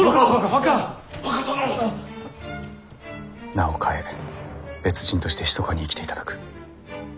名を変え別人としてひそかに生きていただく。